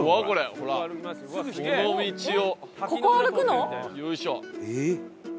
ほらこの道を。